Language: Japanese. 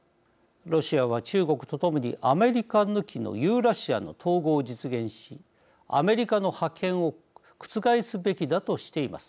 ロシアは中国と共にアメリカ抜きのユーラシアの統合を実現しアメリカの覇権を覆すべきだとしています。